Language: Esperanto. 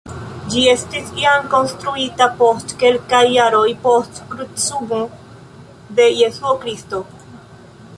Ĝi estis jam konstruita post kelkaj jaroj post krucumo de Jesuo Kristo.